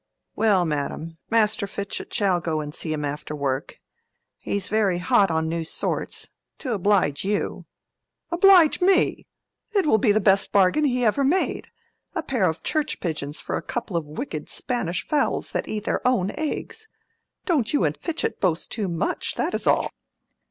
"Well, madam, Master Fitchett shall go and see 'em after work. He's very hot on new sorts; to oblige you." "Oblige me! It will be the best bargain he ever made. A pair of church pigeons for a couple of wicked Spanish fowls that eat their own eggs! Don't you and Fitchett boast too much, that is all!"